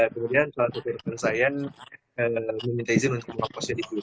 kemudian salah satu rekan saya meminta izin untuk mengoposnya di google